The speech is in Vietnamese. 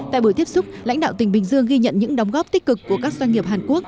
tại buổi tiếp xúc lãnh đạo tỉnh bình dương ghi nhận những đóng góp tích cực của các doanh nghiệp hàn quốc